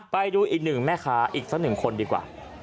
ไปดูอีกหนึ่งแม่ค้าอีกสักหนึ่งคนดีกว่า